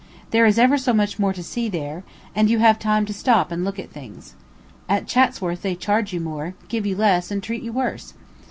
There is ever so much more to see there, and you have time to stop and look at things. At Chatsworth they charge you more, give you less, and treat you worse.